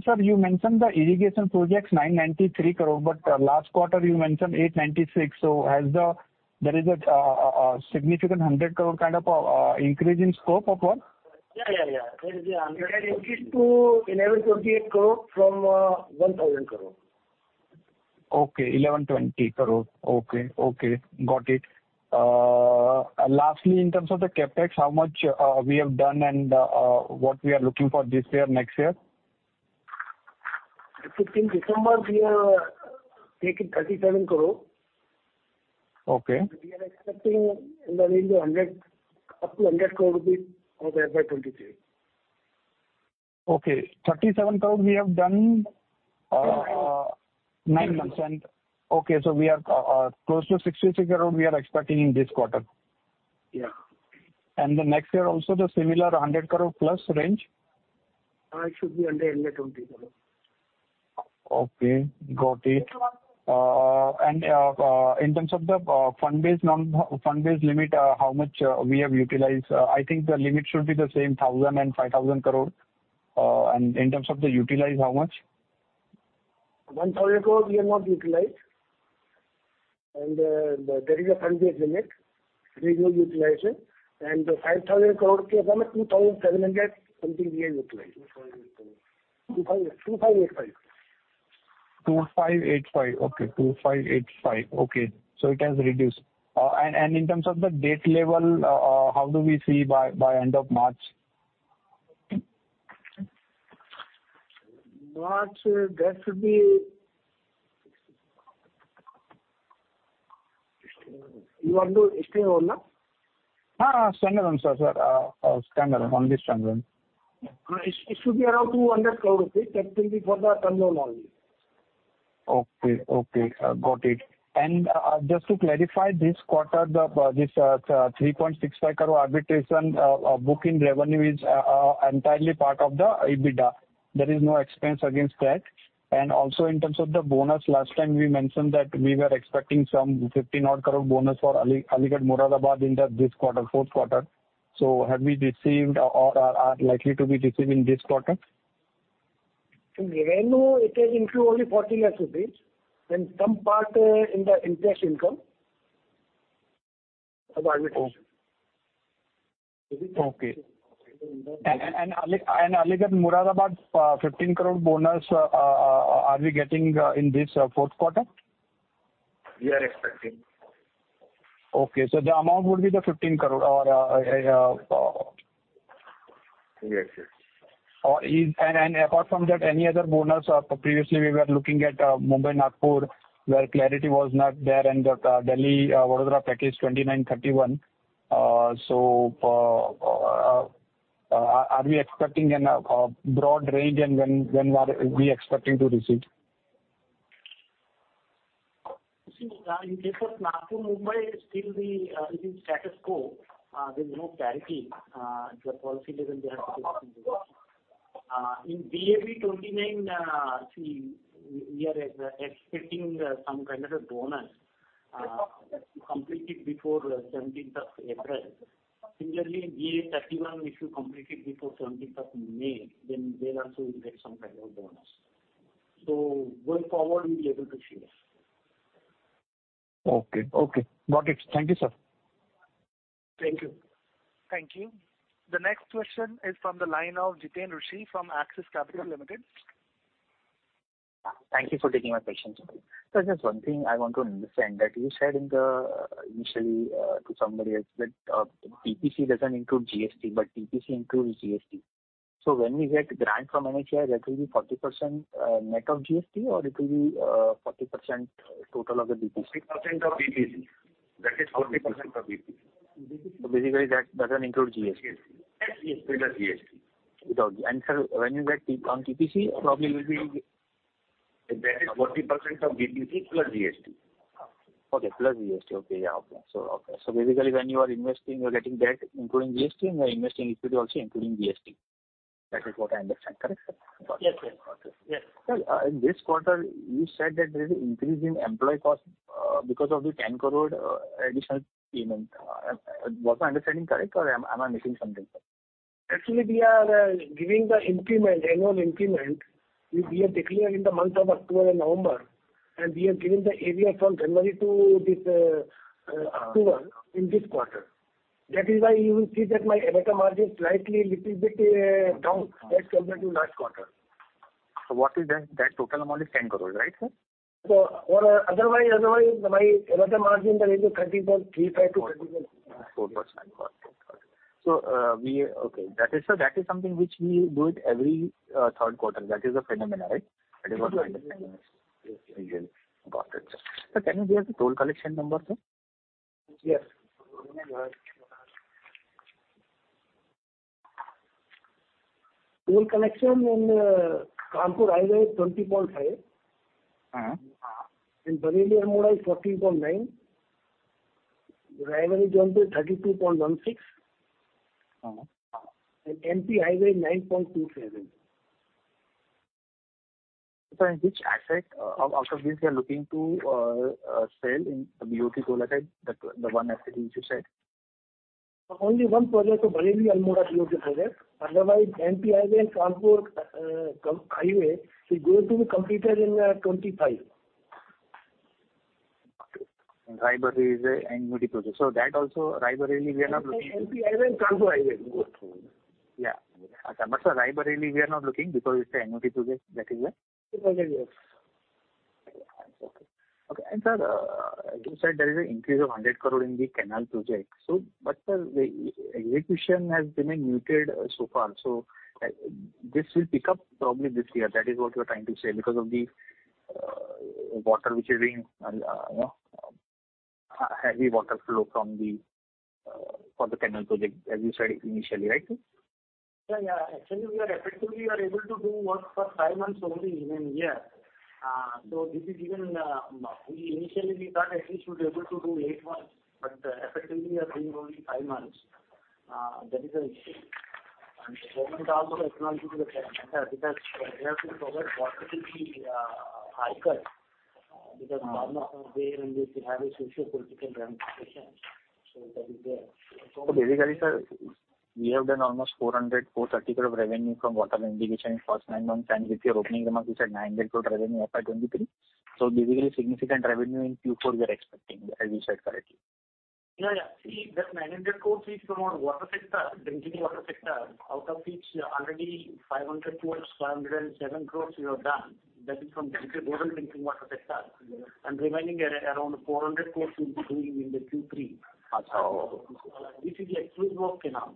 Sir, you mentioned the irrigation projects 993 crore, last quarter you mentioned 896 crore. There is a significant 100 crore kind of increase in scope of work? Yeah, yeah. There is a 100 increase to 1,128 crore from 1,000 crore. Okay, 1,120 crore. Okay. Okay, got it. Lastly, in terms of the CapEx, how much we have done and what we are looking for this year, next year? Since December we are taking 37 crore. Okay. We are expecting in the range of 100, up to 100 crore or there by 2023. Okay. 37 crore we have done, nine months. Okay, we are close to 66 crore we are expecting in this quarter. Yeah. The next year also the similar 100 crore plus range? It should be under INR 20 crore. Okay, got it. In terms of the fund-based loan, fund-based limit, how much we have utilized? I think the limit should be the same 1,000 and 5,000 crore. In terms of the utilized, how much? 1,000 crore we have not utilized. There is a fund-based limit, we've not utilized it. The INR 5,000 crore, INR 2,700 something we have utilized. INR 2,585 crore. INR 2,585. Okay, INR 2,585. Okay. It has reduced. And in terms of the debt level, how do we see by end of March? March, that should be... You want to explain or no? Ha, standalone, sir. standalone. Only standalone. It should be around 200 crore. That will be for the term loan only. Okay. Okay. got it. just to clarify, this quarter, this 3.65 crore arbitration booking revenue is entirely part of the EBITDA. There is no expense against that. also, in terms of the bonus, last time we mentioned that we were expecting some 50 odd crore bonus for Ali, Aligarh-Moradabad in the this quarter, fourth quarter. Have we received or are likely to be received in this quarter? Revenue, it has include only 40 lakh rupees, and some part, in the interest income of Okay. Aligarh Moradabad, 15 crore bonus, are we getting in this fourth quarter? We are expecting. Okay. The amount would be the 15 crore or. Yes, yes. Apart from that, any other bonus? Previously we were looking at Mumbai-Nagpur, where clarity was not there, and the Delhi-Vadodara package 29, 31. Are we expecting an broad range? When, when are we expecting to receive? See, in case of Nagpur-Mumbai, still we, it is status quo. There's no clarity, the policy doesn't have to be. In BAV 29, see, we are expecting some kind of a bonus if we complete it before 17th of April. Similarly, BAV 31, if you complete it before 17th of May, there also we'll get some kind of bonus. Going forward, we'll be able to share. Okay. Okay. Got it. Thank you, sir. Thank you. Thank you. The next question is from the line of Jiteen Rushe from Axis Capital Limited. Thank you for taking my question, sir. Just one thing I want to understand, that you said in the, initially, to somebody else that, PPC doesn't include GST, but PPC includes GST. When we get grant from NHAI, that will be 40% net of GST or it will be 40% total of the PPC? 40% of PPC. That is 40% of PPC. Basically that doesn't include GST. Yes, yes. With the GST. Sir, when you get on PPC. That is 40% of PPC plus GST. Okay, plus GST. Okay. Yeah. Okay. Okay. Basically when you are investing, you are getting debt including GST and you are investing equity also including GST. That is what I understand. Correct, sir? Yes, yes. Got it. Yes. Sir, in this quarter you said that there is increase in employee cost, because of the 10 crore additional payment. Was my understanding correct or am I missing something, sir? Actually, we are giving the annual implement which we have declared in the month of October and November, and we have given the area from January to this October in this quarter. That is why you will see that my EBITDA margin is slightly little bit down as compared to last quarter. What is that? That total amount is 10 crore, right, sir? Otherwise my EBITDA margin in the range of 13.35%. 4%. Got it. Got it. Okay. That is something which we do it every third quarter. That is a phenomena, right? Yes. That is what the phenomena is. Yes. Got it. Sir, can you give the toll collection number, sir? Yes. Toll collection in Kanpur Highway INR 20.5. Uh. In Bareilly-Almora is 14.9. Raibareli is on to 32.16. Uh. MP Highway 9.27. Sir, which asset, out of these we are looking to sell in the BOT toll side, the one asset which you said? Only one project of Bareilly-Almora BOT project. Otherwise MP Highway and Kanpur Highway is going to be completed in 2025. Got you. Raebareli is a annuity project. That also Raebareli we are not looking- MP Highway and Kanpur Highway. Yeah. Sir, Raebareli we are not looking because it's an annuity project. That is why. Project, yes. Okay. Sir, you said there is an increase of 100 crore in the canal project. But sir, the e-execution has been muted so far. This will pick up probably this year. That is what you are trying to say because of the water which is being, you know, heavy water flow from the for the canal project as you said initially, right? Sir, yeah. Actually we are effectively are able to do work for five months only in an year. this is even, we initially thought at least we'll be able to do eight months. effectively we are doing only five months. that is the issue. government also acknowledging the fact matter because they have to provide water to the farmers. farmers. This will have a socio-political ramifications. that is there. Basically, sir, we have done almost 400, 430 crore revenue from water and irrigation in first nine months. With your opening remarks, you said 900 crore revenue FY 2023. Basically significant revenue in Q4 we are expecting, as you said correctly. Yeah, yeah. See that INR 900 crores is from water sector, drinking water sector, out of which already 500 crores, 507 crores we have done. That is from drinking, rural drinking water sector. Remaining around 400 crores we'll be doing in the Q3. Uh. This is exclusive of canal.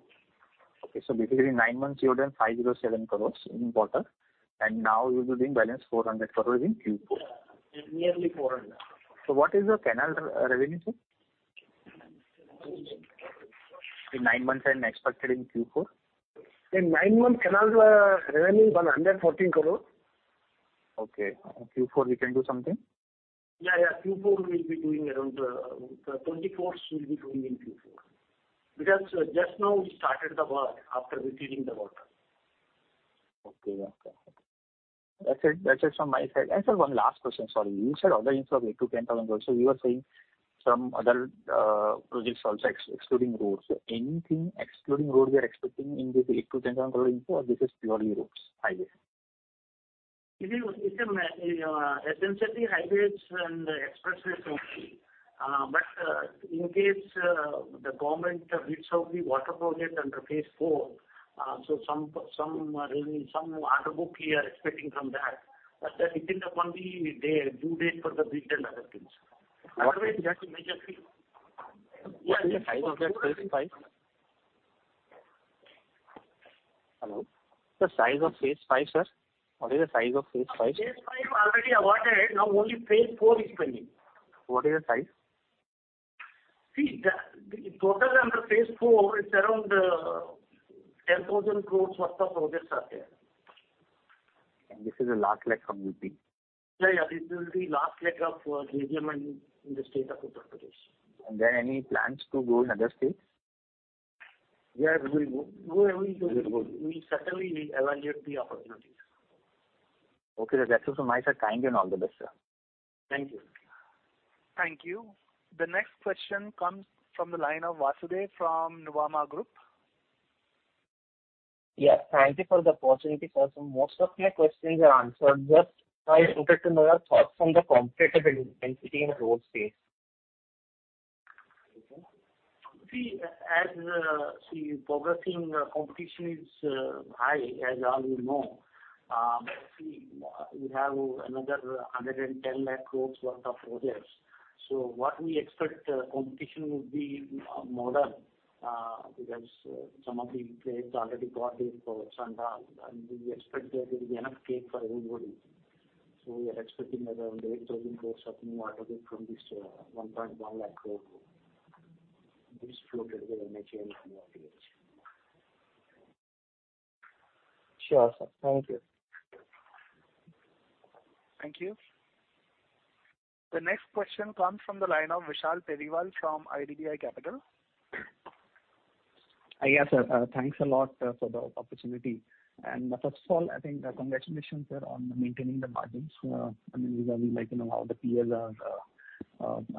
Basically nine months you have done 507 crores in water. Now you'll be doing balance 400 crores in Q4. Yeah. Nearly 400. What is your canal revenue, sir, in nine months and expected in Q4? In nine months canal revenue is 114 crore. Okay. Q4 we can do something? Yeah, yeah. Q4 we'll be doing around 20 crores in Q4. Because just now we started the work after receiving the water. Okay, yeah. That's it, that's it from my side. Sir, one last question. Sorry. You said order inflow of 8,000-10,000 crore. You are saying some other projects also excluding roads. Anything excluding road we are expecting in this 8,000-10,000 crore inflow or this is purely roads, highways? It's essentially highways and expressways only. In case the government bids out the water project under phase four, some revenue, some order book we are expecting from that. That depends upon the due date for the bids and other things. Otherwise, that will majorly... What is the size of that phase 5? Hello. The size of phase 5, sir. What is the size of phase 5? Phase 5 already awarded, now only phase 4 is pending. What is the size? The total under phase 4 is around INR 10,000 crore worth of projects are there. This is the last leg from UP? Yeah, this will be last leg of JJM in the state of Uttar Pradesh. There are any plans to go in other states? Yeah, we will go. We will go. You will go. We certainly will evaluate the opportunities. Okay. That's it from my side. Thank you, and all the best, sir. Thank you. Thank you. The next question comes from the line of Vasudev from Nuvama Group. Yeah, thank you for the opportunity, sir. Most of my questions are answered. Just I wanted to know your thoughts on the competitive intensity in road space. Progressing competition is high, as all you know. We have another 110 lakh crores worth of projects. What we expect, competition will be more than, because some of the players already got their cohorts and we expect that there is enough cake for everybody. We are expecting around 8,000 crores of new orders from this 1.1 lakh crore group which floated with NHAI in the last two years. Sure, sir. Thank you. Thank you. The next question comes from the line of Vishal Periwal from IDBI Capital. Yes, sir. Thanks a lot for the opportunity. First of all, I think, congratulations, sir, on maintaining the margins. I mean, regarding like, you know, how the peers are,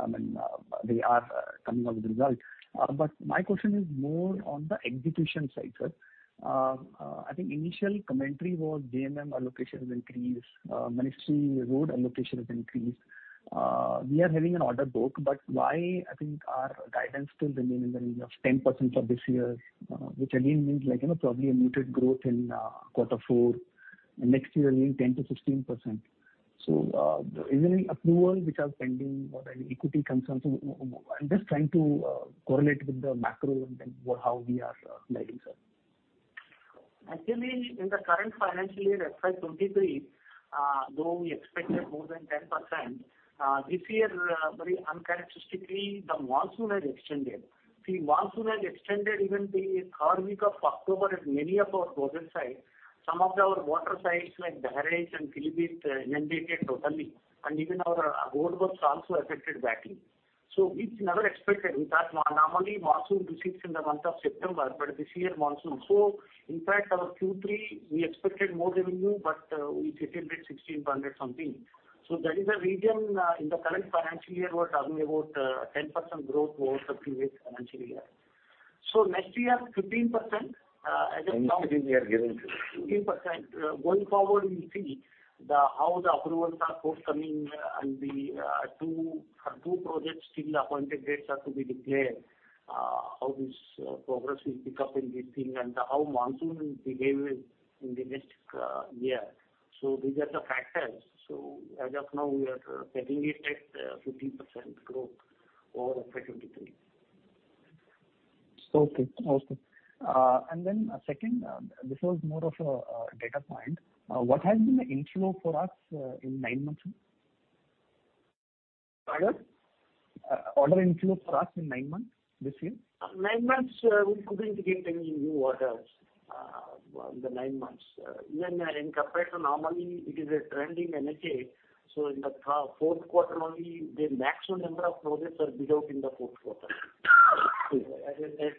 I mean, they are coming out with the result. My question is more on the execution side, sir. I think initial commentary was JJM allocation has increased, ministry road allocation has increased. We are having an order book, why I think our guidance still remains in the range of 10% for this year, which again means like, you know, probably a muted growth in quarter four. Next year again 10%-16%. Is there any approval which are pending or any equity concerns? I'm just trying to correlate with the macro and then how we are lagging, sir. In the current financial year, FY 2023, though we expected more than 10% this year, very uncharacteristically, the monsoon has extended. Monsoon has extended even till the 3rd week of October in many of our northern sites. Some of our water sites like Dhej and Pilibhit inundated totally, and even our road works also affected badly. It's never expected because normally monsoon receives in the month of September, this year monsoon. In fact our Q3 we expected more revenue, we settled with 16 point something. That is the reason, in the current financial year we're talking about 10% growth over the previous financial year. Next year, 15% as of now- 15% you are guiding for. 15%. Going forward, we'll see the, how the approvals are forthcoming, for two projects still the appointed dates are to be declared. How this progress will pick up in this thing and how monsoon will behave in the next year. These are the factors. As of now we are pegging it at 15% growth over FY 2023. Okay. Awesome. Second, this was more of a data point. What has been the inflow for us, in nine months, sir? Order? Order inflow for us in nine months this year. Nine months, we couldn't get any new orders in the nine months. Compared to normally it is a trend in NHAI, so in the fourth quarter only the maximum number of projects are bid out in the fourth quarter. As I said,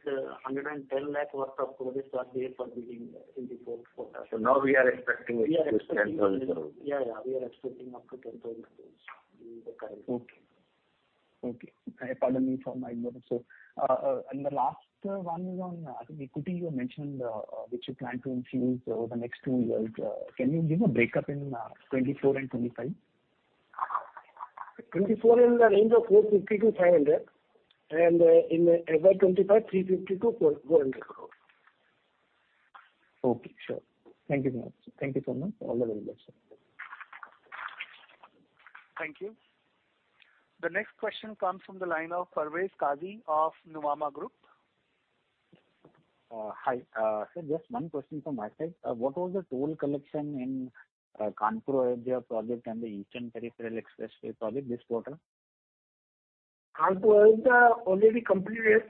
INR 110 lakh worth of projects are there for bidding in the fourth quarter. now we are expecting at least INR 10,000 crores. Yeah, yeah. We are expecting up to INR 10,000 crores in the current year. Okay. Okay. Pardon me for my ignorance, sir. The last one is on, I think equity you mentioned, which you plan to infuse over the next two years. Can you give a breakup in 2024 and 2025? 2024 in the range of INR 450-500. In FY 2025, INR 350-400 crores. Okay, sure. Thank you so much. Thank you so much. All the very best, sir. Thank you. The next question comes from the line of Parvez Qazi of Nuvama Group. Hi. Sir, just one question from my side. What was the toll collection in Kanpur-Ayodhya project and the Eastern Peripheral Expressway project this quarter? Kanpur-Ayodhya already completed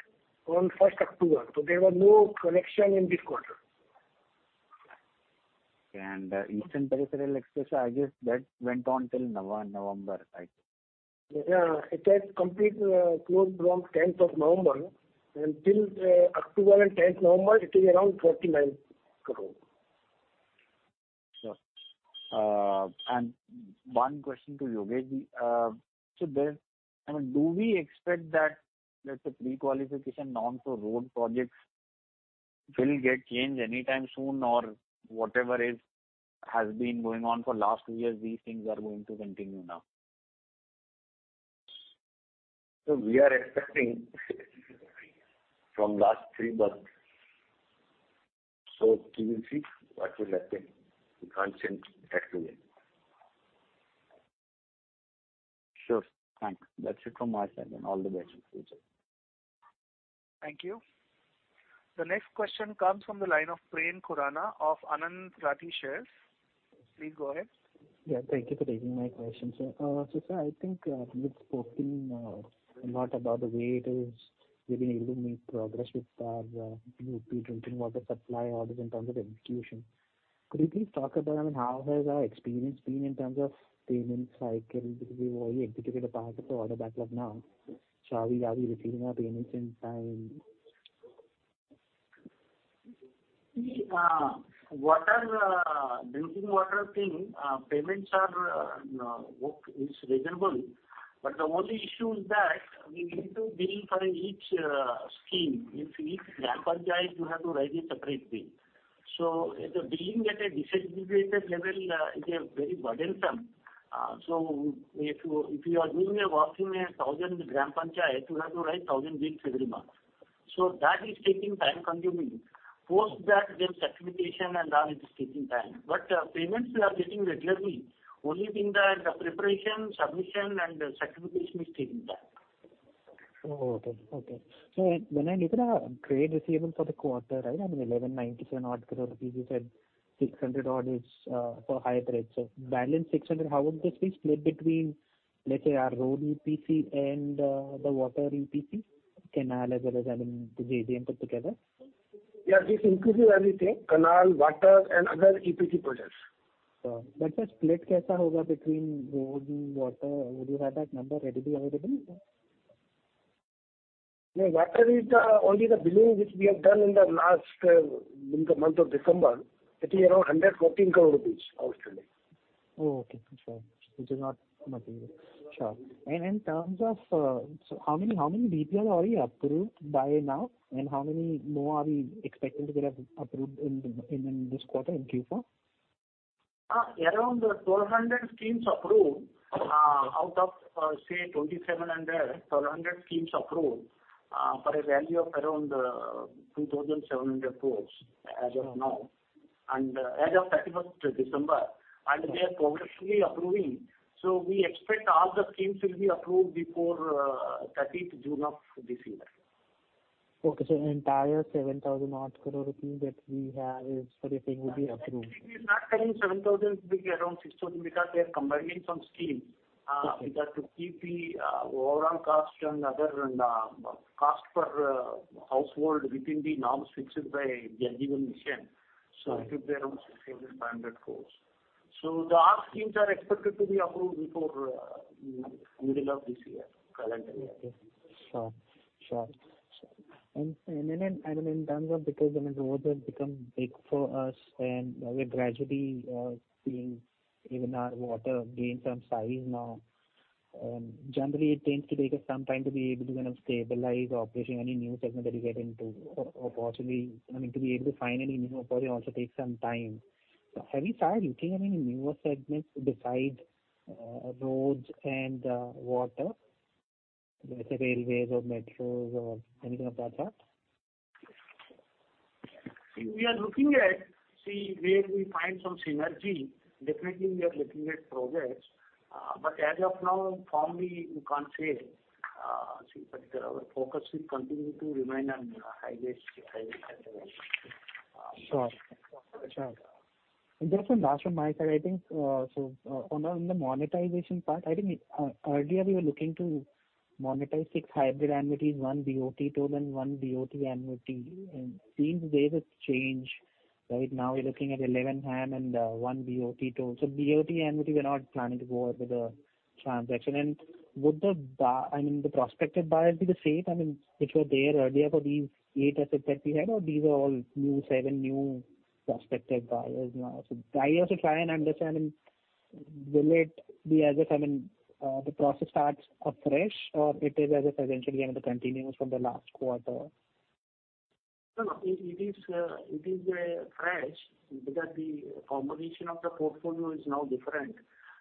on 1st October, so there was no collection in this quarter. Okay. Eastern Peripheral Expressway, I guess that went on till Nova November, right? It has complete, closed from 10th of November, and till October and 10th November, it is around 49 crore. Sure. One question to Yogeshji. I mean, do we expect that, let's say, prequalification norms for road projects will get changed anytime soon? Whatever has been going on for last two years, these things are going to continue now. We are expecting from last three months. We will see what will happen. We can't say exactly when. Sure. Thanks. That's it from my side. All the best in future. Thank you. The next question comes from the line of Prem Khurana of Anand Rathi Share. Please go ahead. Yeah, thank you for taking my question, sir. Sir, I think, you've spoken a lot about the way it is you've been able to make progress with our UP drinking water supply orders in terms of execution. Could you please talk about, I mean, how has our experience been in terms of payment cycle? Because we've only executed a part of the order backlog now. Are we receiving our payments in time? See, water, drinking water thing, payments are, work is reasonable. The only issue is that we need to bill for each scheme. If each Gram Panchayat, you have to raise a separate bill. The billing at a decentralized level is a very burdensome. If you are doing a work in a 1,000 Gram Panchayat, you have to write 1,000 bills every month. That is taking time consuming. Post that, there's certification and all it is taking time. Payments we are getting regularly. Only thing that the preparation, submission and certification is taking time. When I look at our trade receivables for the quarter, right, I mean 1,197 odd crore and 600 odd is for high trade. Balance 600, how would this be split between, let's say our road EPC and the water EPC, canal as well as, I mean, the JJM put together? Yeah, this includes everything, canal, water and other EPC projects. The split between road and water, would you have that number readily available? No, water is, only the billing which we have done in the last, in the month of December. It is around 114 crore rupees approximately. Oh, okay. I'm sorry. Which is not material. Sure. In terms of, so how many DPOs are we approved by now? How many more are we expecting to get approved in this quarter in Q4? Around 1,200 schemes approved, out of, say 2,700, 1,200 schemes approved, for a value of around, 2,700 crore as of now. As of 31st December, and they are progressively approving. We expect all the schemes will be approved before, 30th June of this year. Okay. The entire 7,000 odd crore that we have is everything will be approved. Actually it's not 7,000, it will be around 600 because they are combining some schemes. Okay. To keep the overall cost and other, and cost per household within the norms fixed by Jal Jeevan Mission. Right. It will be around INR 600 crore-INR 500 crore. All schemes are expected to be approved before middle of this year, calendar year. Okay. Sure. Sure. In terms of because when the roads have become big for us and we're gradually seeing even our water gain some size now. Generally it tends to take us some time to be able to kind of stabilize operation any new segment that we get into or possibly, I mean, to be able to find a new opportunity also takes some time. Have you started looking, I mean, in newer segments besides roads and water? Let's say railways or metros or anything of that sort? See, we are looking at, see where we find some synergy. Definitely we are looking at projects. As of now firmly we can't say, see, but our focus will continue to remain on highways and railways. Sure. Sure. That's all last from my side. I think, so on the monetization part, I think, earlier we were looking to monetize six hybrid annuities, one BOT toll and one BOT annuity. Seems there's a change. Right now we're looking at 11 HAM and one BOT toll. BOT annuity we're not planning to go ahead with the transaction. Would the I mean, the prospective buyers be the same, I mean, which were there earlier for these eight assets that we had or these are all new, seven new prospective buyers now? The idea is to try and understand, I mean, will it be as if, I mean, the process starts afresh or it is as if essentially, I mean, continues from the last quarter? No, no. It is fresh because the combination of the portfolio is now different.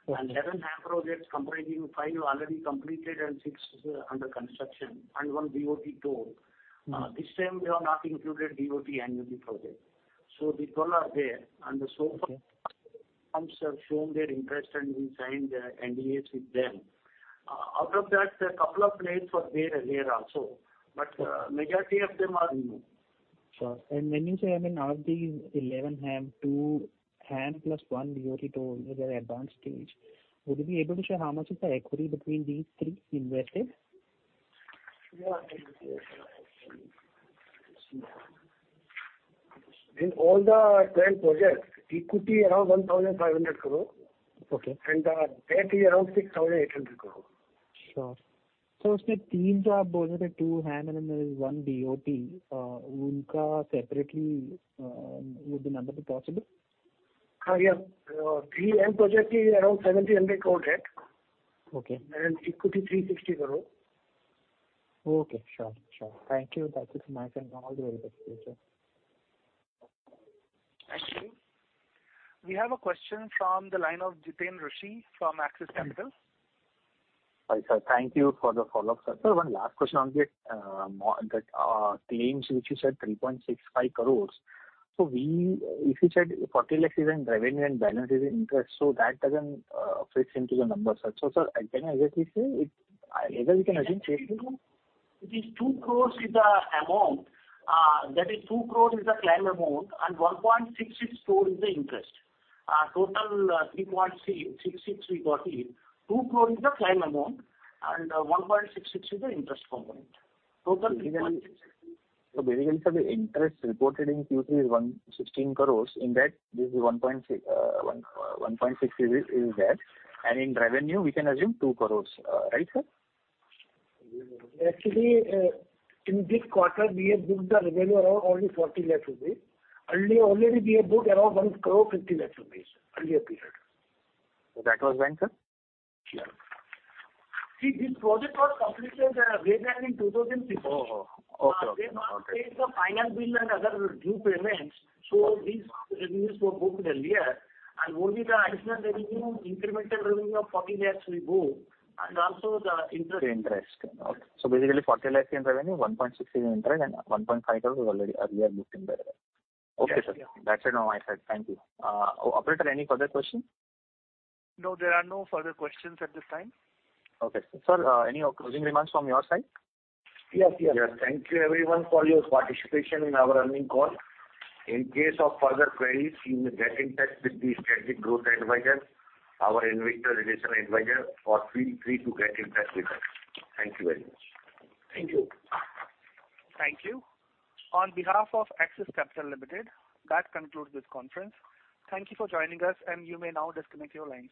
Okay. 11 HAM projects comprising five already completed and six is under construction and one BOT toll. Mm-hmm. This time we have not included BOT annuity project. The toll are there. Okay. So far firms have shown their interest, and we signed NDAs with them. Out of that a couple of players were there also. Okay. Majority of them are new. Sure. When you say, I mean, out of these 11 HAM, two HAM plus one BOT toll is at advanced stage, would you be able to share how much of the equity between these three invested? In all the 12 projects, equity around 1,500 crore. Okay. The debt is around 6,800 crore. Sure. You said two HAM and then there is one BOT, unka separately, would the number be possible? Yes. Three HAM project is around 1,700 crore debt. Okay. Equity 360 crore. Okay, sure. Thank you. That's it from my side. All the very best for the future. Thank you. We have a question from the line of Jiteen Rushe from Axis Capital. Hi, sir. Thank you for the follow-up, sir. One last question on the that claims which you said 3.65 crores. If you said 40 lakhs is in revenue and balance is in interest, that doesn't fix into the numbers. Sir, can I just say either we can assume? It is 2 crore is the amount, that is 2 crore is the claim amount and 1.66 crore is the interest. Total 3.66 crore we got it. 2 crore is the claim amount and 1.66 crore is the interest component. Total 3.66 crore. Basically, sir, the interest reported in Q3 is 16 crores. In that, this is 1.66 is that. In revenue, we can assume 2 crores. Right, sir? Actually, in this quarter, we have booked the revenue around only 40 lakhs rupees. Earlier, already we have booked around 1.5 crore earlier period. That was when, sir? Sure. See, this project was completed, way back in 2016. Oh, oh. Okay, okay. Okay. They must pay the final bill and other due payments. These revenues were booked earlier. Only the additional revenue, incremental revenue of 40 lakhs we book and also the interest. The interest. Okay. Basically 40 lakhs in revenue, 1.66 in interest, and 1.5 crores was already earlier booked in there. Yes. Okay, sir. That's it on my side. Thank you. Operator, any further question? No, there are no further questions at this time. Okay. Sir, any closing remarks from your side? Yes. Thank you everyone for your participation in our earning call. In case of further queries, you may get in touch with the Strategic Growth Advisor, our Investor Relations Advisor, or feel free to get in touch with us. Thank you very much. Thank you. Thank you. On behalf of Axis Capital Limited, that concludes this conference. Thank you for joining us, and you may now disconnect your lines.